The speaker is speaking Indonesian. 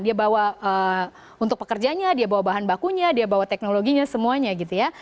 dia bawa untuk pekerjanya dia bawa bahan bakunya dia bawa teknologinya semuanya gitu ya